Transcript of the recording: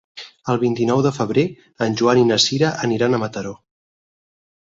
El vint-i-nou de febrer en Joan i na Sira aniran a Mataró.